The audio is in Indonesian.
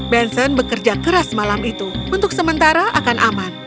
benson bekerja keras malam itu untuk sementara akan aman